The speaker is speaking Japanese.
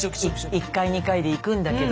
１回２回でいくんだけど。